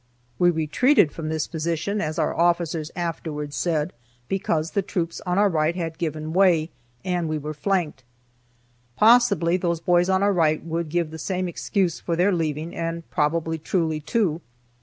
We retreated from this position as our officers afterward said, because the troops on our right had given way, and we were flanked. Possibly those boys on our right would give the same excuse for their leaving, and probably truly, too.